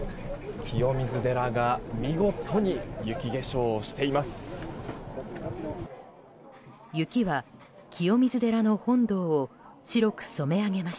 清水寺が見事に雪化粧をしています。